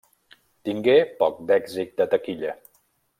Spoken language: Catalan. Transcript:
Tingué poc d'èxit de taquilla.